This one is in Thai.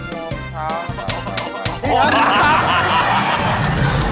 พี่ครับพี่ครับ